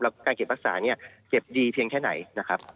แล้วการเก็บรักษาเนี่ยเก็บดีเพียงแค่ไหนนะครับ